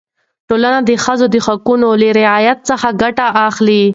ټولنه د ښځو د حقونو له رعایت څخه ګټه اخلي.